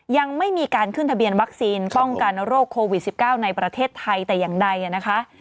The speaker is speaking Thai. ยังไม่มีการขึ้นทะเบียนวัคซีนป้องกันโรคโควิด๑๙ในประเทศไทยแต่อย่างใดนะคะ